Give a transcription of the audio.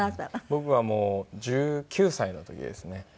僕はもう１９歳の時ですね。